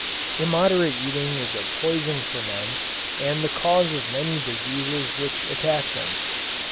Immoderate eating is a poison for men and the cause of many diseases which attack them.